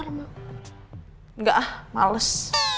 enggak ah males